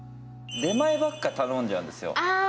出前ばっか頼んじゃうんですよ。